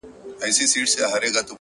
• زه که نه سوم ته, د ځان په رنګ دي کم,